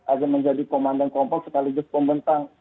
agar menjadi komandan kelompok sekaligus pembentang